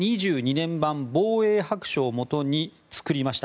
年版防衛白書をもとに作りました。